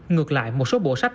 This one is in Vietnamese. ngược lại một số bộ sách